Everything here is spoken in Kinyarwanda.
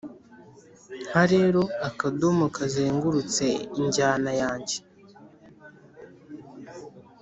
nka rero, - akadomo kazengurutse injyana yanjye